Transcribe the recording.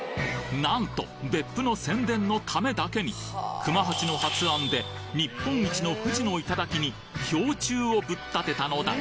なんと別府の宣伝のためだけに熊八の発案で日本一の富士の頂に標柱をブッ建てたのだ。